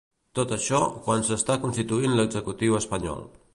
Tot això, quan s'està constituint l'Executiu espanyol.